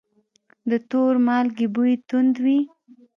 د تور مالګې بوی توند وي.